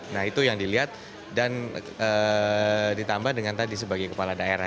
nah itu yang dilihat dan ditambah dengan tadi sebagai kepala daerah